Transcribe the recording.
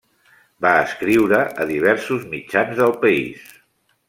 Va escriure a diversos mitjans del país.